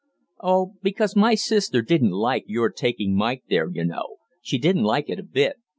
"Oh, because my sister didn't like your taking Mike there, you know she didn't like it a bit.